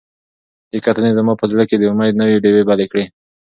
دې کتنې زما په زړه کې د امید نوې ډیوې بلې کړې.